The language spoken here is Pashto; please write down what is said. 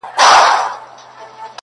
د بېلتون په شپه وتلی مرور جانان به راسي،